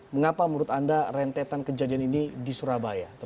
mengapa menurut anda rentetan kejadian ini di surabaya